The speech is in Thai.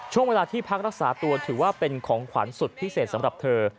ช่วงเวลาที่พักรักษาตัวถือว่าเป็นของขวัญสุดพิเศษสำหรับเธอ